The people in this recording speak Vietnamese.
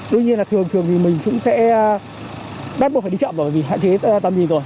tuy nhiên là thường thì mình cũng sẽ bắt buộc phải đi chậm rồi vì hạn chế tầm nhìn rồi